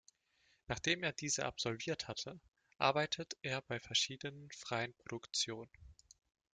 Nachdem er diese absolviert hatte, arbeitet er bei verschiedenen freien Produktionen.